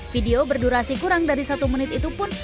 video berdurasi kurang dari satu menit itu pun